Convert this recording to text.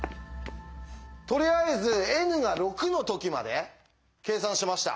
とりあえずｎが６の時まで計算しました。